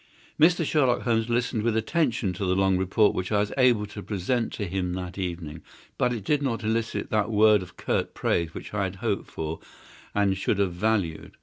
Mr. Sherlock Holmes listened with attention to the long report which I was able to present to him that evening, but it did not elicit that word of curt praise which I had hoped for and should have valued.